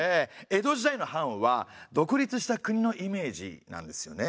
江戸時代の藩は独立した国のイメージなんですよね。